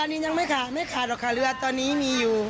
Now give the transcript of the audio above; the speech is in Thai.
ตอนนี้ยังไม่ขาดไม่ขาดหรอกค่ะเรือตอนนี้มีอยู่